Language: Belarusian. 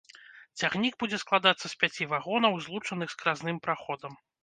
Цягнік будзе складацца з пяці вагонаў, злучаных скразным праходам.